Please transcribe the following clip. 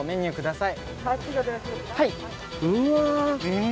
はい。